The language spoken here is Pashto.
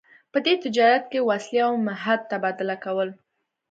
په دې تجارت کې وسلې او مهت تبادله کول.